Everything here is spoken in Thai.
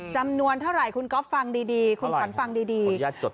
จำนวนเท่าไหร่คุณก๊อฟฟังดีคุณขวัญฟังดี